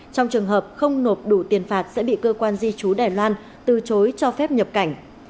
trong trường hợp không nộp đủ tiền phạt sẽ bị cơ quan di trú đài loan từ chối cho phép nhập cảnh